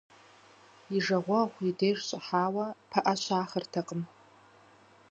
И жагъуэгъу и деж щӀыхьауэ пыӀэ зыщхьэрахыртэкъым.